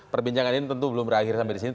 perbincangan ini tentu belum berakhir sampai di sini